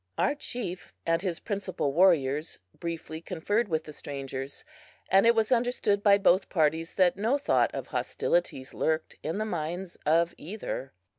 Our chief and his principal warriors briefly conferred with the strangers, and it was understood by both parties that no thought of hostilities lurked in the minds of either.